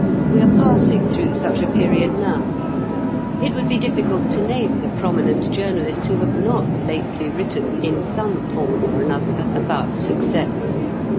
We are passing through such a period now. It would be difficult to name the prominent journalists who have not lately written, in some form or another, about success.